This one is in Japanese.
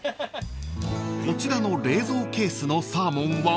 ［こちらの冷蔵ケースのサーモンは］